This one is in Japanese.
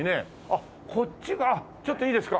あっこっちがちょっといいですか？